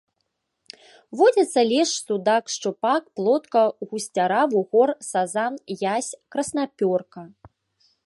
Водзяцца лешч, судак, шчупак, плотка, гусцяра, вугор, сазан, язь, краснапёрка.